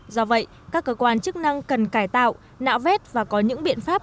do vậy các cơ quan chức năng cần cải tạo nạo vét và có những biện pháp